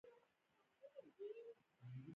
یاقوت د افغانانو د فرهنګي پیژندنې برخه ده.